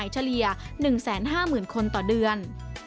เฉลี่ย๑๕๐๐๐คนต่อเดือน